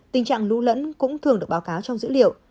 tình trạng lũ lẫn cũng thường được báo cáo trong dữ liệu